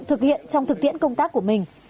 thực hiện trong thực tiễn công tác của mình